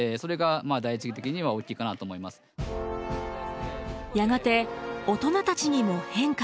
やがて大人たちにも変化が。